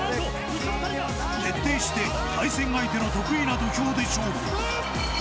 徹底して対戦相手の得意の土俵で勝利。